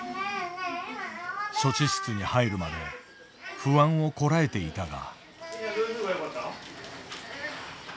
処置室に入るまで不安をこらえていたが。